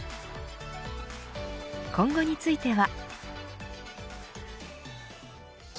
今後については。